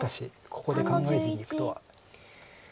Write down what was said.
ここで考えずにいくとは。